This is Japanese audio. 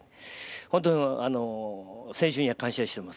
本当に選手には感謝しています。